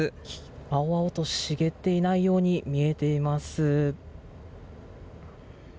青々と茂っていないように見えています。